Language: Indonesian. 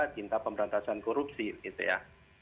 cinta pemberantasan korupsi gitu ya